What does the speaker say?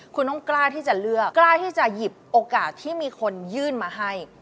คุณต้องกล้าที่จะเลือกกล้าที่จะหยิบโอกาสที่มีคนยื่นมาให้